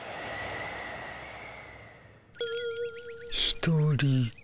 一人。